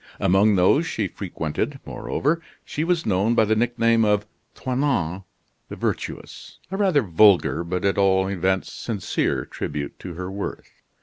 Among those she frequented, moreover, she was known by the nickname of "Toinon the Virtuous" a rather vulgar but, at all events, sincere tribute to her worth.